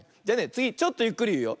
つぎちょっとゆっくりいうよ。